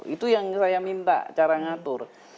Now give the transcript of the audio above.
itu yang saya minta cara ngatur